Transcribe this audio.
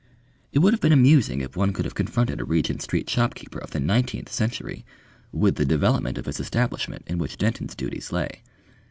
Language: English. It would have been amusing if one could have confronted a Regent Street shopkeeper of the nineteenth century with the development of his establishment in which Denton's duties lay.